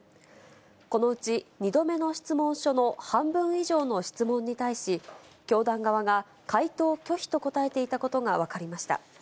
このうち、２度目の質問書の半分以上の質問に対し、教団側が回答拒否と答えていたことが分かりました。